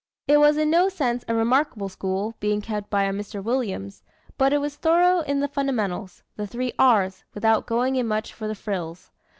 It was in no sense a remarkable school, being kept by a Mr. Williams, but it was thorough in the fundamentals, the "Three R's," without going in much for the frills.